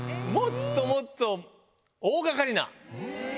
もっともっと大がかりな。